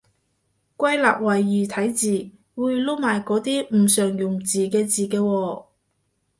歸納為異體字，會撈埋嗰啲唔常用字嘅字嘅喎